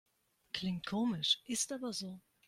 Klingt komisch, ist aber so.